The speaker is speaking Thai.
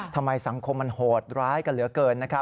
ทำไมสังคมมันโหดร้ายกันเหลือเกิน